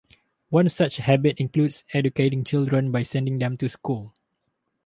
One such habit includes educating children by sending them to school.